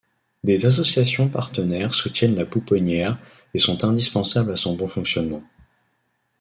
Des associations partenaires soutiennent la Pouponnière et sont indispensables à son bon fonctionnement.